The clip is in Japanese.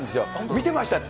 見てましたって。